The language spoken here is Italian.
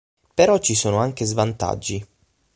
Però ci sono anche svantaggi.